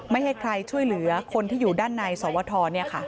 ไม่ให้ใครช่วยเหลือคนที่อยู่ด้านในสวทร